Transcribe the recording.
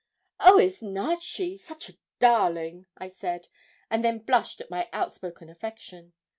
'Oh, is not she? such a darling!' I said, and then blushed at my outspoken affection.